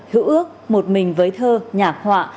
hữu ước một mình với thơ nhạc họa